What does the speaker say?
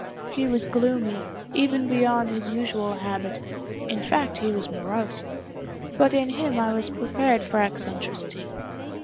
He was gloomy, even beyond his usual habit—in fact he was morose—but in him I was prepared for eccentricity.